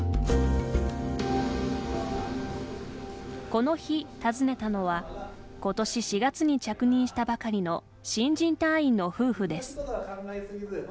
この日訪ねたのは今年４月に着任したばかりの新人隊員の夫婦です。